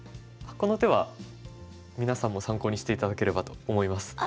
この手は皆さんも参考にして頂ければと思います。